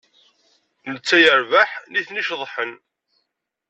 Netta yerbeḥ nitni ceḍḥen.